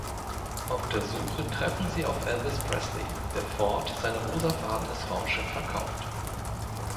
Auf der Suche treffen sie auf Elvis Presley, der Ford sein rosafarbenes Raumschiff verkauft.